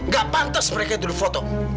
gak pantas mereka itu difoto